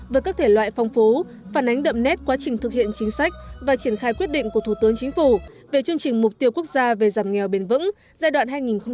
với các thể loại phong phú phản ánh đậm nét quá trình thực hiện chính sách và triển khai quyết định của thủ tướng chính phủ về chương trình mục tiêu quốc gia về giảm nghèo bền vững giai đoạn hai nghìn một mươi sáu hai nghìn hai mươi